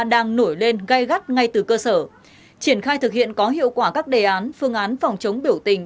đang nổi lên gây gắt ngay từ cơ sở triển khai thực hiện có hiệu quả các đề án phương án phòng chống biểu tình